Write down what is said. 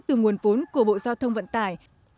từ nguồn vốn của bộ giao thông vận tải